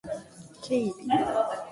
警備